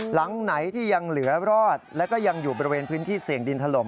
หลังไหนที่ยังเหลือรอดแล้วก็ยังอยู่บริเวณพื้นที่เสี่ยงดินถล่ม